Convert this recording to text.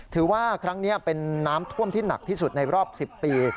ถือว่าครั้งนี้เป็นน้ำท่วมที่หนักที่สุดในรอบ๑๐ปี